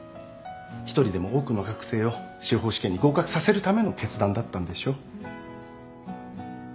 一人でも多くの学生を司法試験に合格させるための決断だったんでしょう。